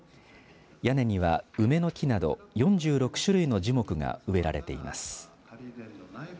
屋根には梅の木など４６種類の樹木が植えられています。